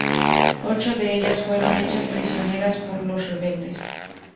Ocho de ellas fueron hechas prisioneras por los rebeldes.